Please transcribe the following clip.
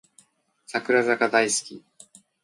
櫻坂大好き